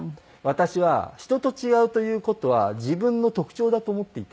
私は人と違うという事は自分の特徴だと思っていて。